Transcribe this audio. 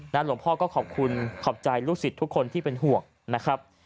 หลวงพ่อก็ขอบคุณขอบใจลูกศิษย์ทุกคนที่เป็นห่วงนะครับ